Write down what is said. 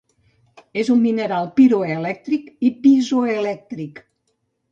És un mineral piroelèctric i piezoelèctric.